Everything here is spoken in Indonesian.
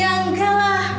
ya enggak lah